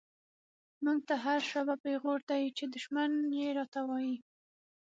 مونږ ته هر “شابه” پیغور دۍ، چی دشمن یی راته وایی